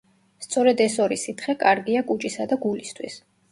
სწორედ ეს ორი სითხე კარგია კუჭისა და გულისთვის.